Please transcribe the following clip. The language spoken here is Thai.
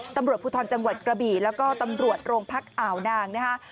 ตำรวจภูทรจังหวัดกระบี่แล้วก็ตำรวจโรงพักอ่าวนางนะคะ